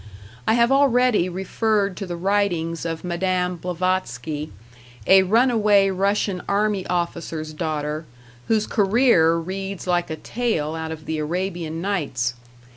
I have already referred to the writings of Madame Blavatsky, a runaway Russian army officer's daughter, whose career reads like a tale out of the Arabian Nights.